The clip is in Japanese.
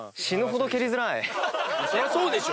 そりゃそうでしょ。